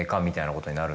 ことになる